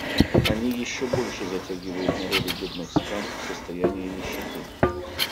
Они еще больше затягивают народы бедных стран в состояние нищеты.